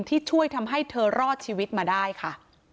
ที่ช่วยทำให้เธอรอดชีวิตมาได้ค่ะ